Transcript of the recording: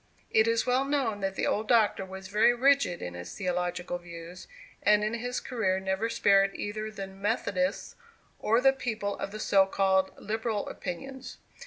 It is well known that the old Doctor was very rigid in his theological views, and in his career never spared either the Methodists or the people of the so called liberal opinions.